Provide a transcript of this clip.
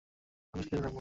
আমি সেই ব্রাহ্মণ।